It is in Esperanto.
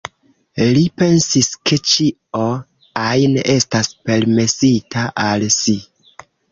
Li pensis ke ĉio ajn estas permesita al si.